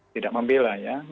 tidak membela ya